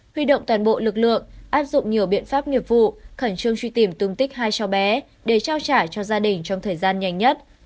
huy động toàn bộ lực lượng áp dụng nhiều biện pháp nghiệp vụ khẩn trương truy tìm tung tích hai cháu bé để trao trả cho gia đình trong thời gian nhanh nhất